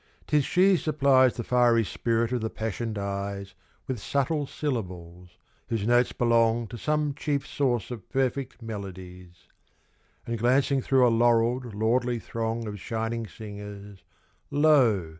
'Tis she supplies The fiery spirit of the passioned eyes With subtle syllables, whose notes belong To some chief source of perfect melodies; And glancing through a laurelled, lordly throng Of shining singers, lo!